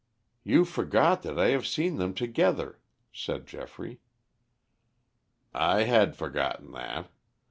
"You forget that I have seen them together," said Geoffrey. "I had forgotten that.